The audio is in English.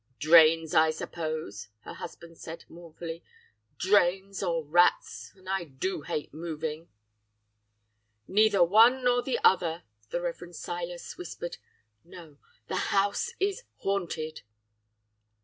"'Drains, I suppose!' her husband said mournfully, 'drains or rats! and I do hate moving.' "'Neither one nor the other!' the Rev. Silas whispered. 'No! the house is haunted.